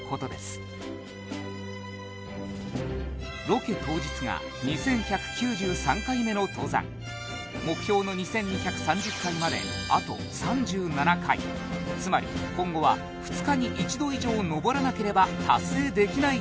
ロケ当日が２１９３回目の登山目標の２２３０回まであと３７回つまり今後は２日に１度以上登らなければ達成できない